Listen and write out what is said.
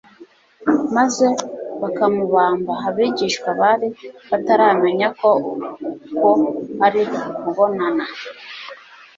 maze bakamubamba. Abigishwa bari bataramenya ko uko ari ko kubonana